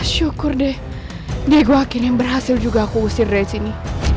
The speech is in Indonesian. syukur deh diego akhirnya berhasil juga aku usir dari sini